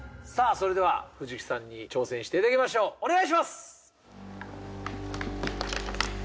それでは藤木さんに挑戦していただきましょうお願いします